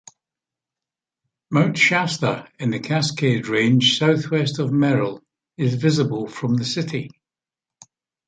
Mount Shasta in the Cascade Range southwest of Merrill, is visible from the city.